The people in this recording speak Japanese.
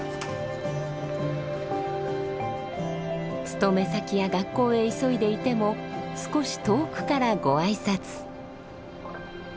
勤め先や学校へ急いでいても少し遠くからご挨拶。